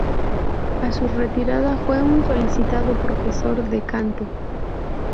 A su retirada fue un solicitado profesor de canto.